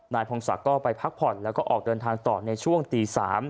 พงศักดิ์ก็ไปพักผ่อนแล้วก็ออกเดินทางต่อในช่วงตี๓